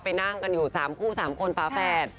ไปนั่งกันอยู่๓คู่๓คนฟ้าแฟน